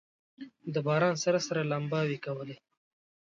د باران سره سره لمباوې کولې.